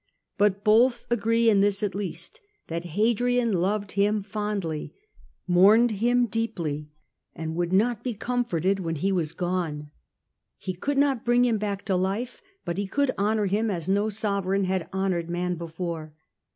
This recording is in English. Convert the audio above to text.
But both agree in this at least, tha/ Hadrian loved him fondly, mourned him deeply, and would 5 8 The Age of the A ntonines. a. d. not be comforted when he was gone. He could not bring him back to life, but he could honour him as no sovereign had honoured man before.